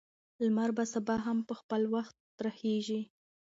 لمر به سبا هم په خپل وخت راخیژي.